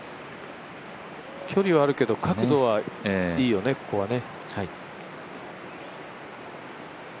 距離はあるけど角度はいいよね、ここはね。